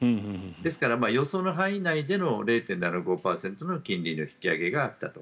ですから、予想の範囲内での０．７５％の金利の引き上げがあったと。